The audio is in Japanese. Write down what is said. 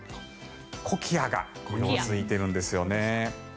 コキアが色付いているんですよね。